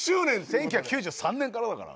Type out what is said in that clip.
１９９３年からだから。